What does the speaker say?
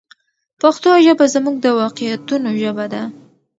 پښتو ژبه زموږ د واقعیتونو ژبه ده.